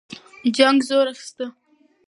جنګ زور اخیسته.